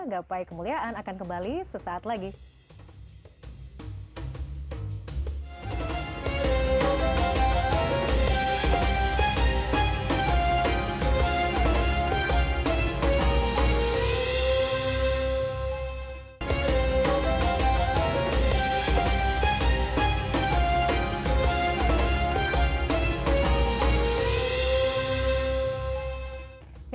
gapai kemuliaan akan kembali